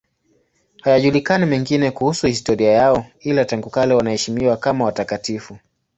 Hayajulikani mengine kuhusu historia yao, ila tangu kale wanaheshimiwa kama watakatifu.